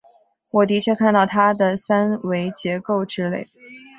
我的确看到它的三维结构之类。